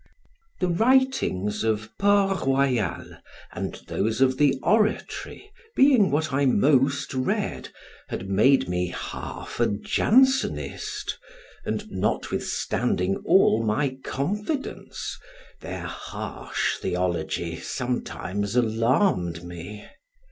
The writings of Port Royal, and those of the Oratory, being what I most read, had made me half a Jansenist, and, notwithstanding all my confidence, their harsh theology sometimes alarmed me.